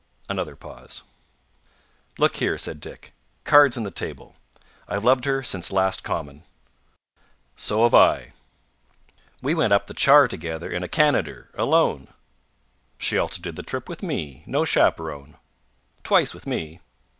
Another pause. "Look here," said Dick. "Cards on the table. I've loved her since last Commem." "So have I." "We went up the Char together in a Canader. Alone." "She also did the trip with me. No chaperone." "Twice with me."